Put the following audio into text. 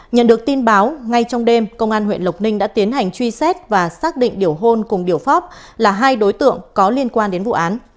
nhận được tin báo ngay trong đêm công an huyện lộc ninh đã tiến hành truy xét và xác định điều hôn cùng điểu pháp là hai đối tượng có liên quan đến vụ án